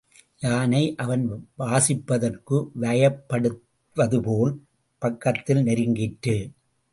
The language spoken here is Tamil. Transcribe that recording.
யானை அவன் வாசிப்பதற்கு வயப்படுவதுபோல் பக்கத்தில் நெருங்கிற்று.